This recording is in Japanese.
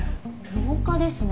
廊下ですね。